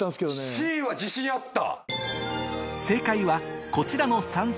Ｃは自信あった！